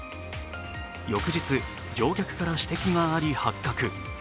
翌日、乗客から指摘があり、発覚。